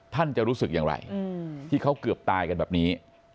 ท่านจะรู้สึกอย่างไรที่เขาเกือบตายกันแบบนี้